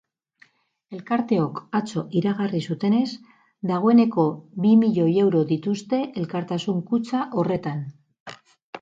Elkarteok atzo iragarri zutenez, dagoeneko bi milioi euro dituzte elkartasun kutxa horretan.